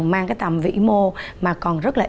mang cái tầm vĩ mô mà còn rất là